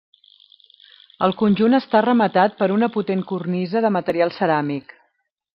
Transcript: El conjunt està rematat per una potent cornisa de material ceràmic.